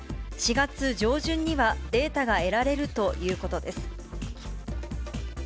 ４月上旬にはデータが得られるということです。